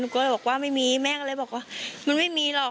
ก็บอกว่าไม่มีแม่ก็เลยบอกว่ามันไม่มีหรอก